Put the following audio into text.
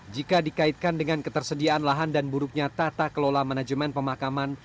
jika dikaitkan dengan ketersediaan lahan dan buruknya tata kelola manajemen pemakaman